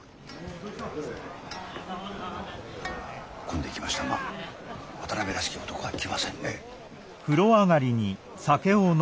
混んできましたが渡辺らしき男は来ませんね。